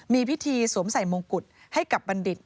มีพิธีสวมใส่มงกุฎให้กับบัณฑิต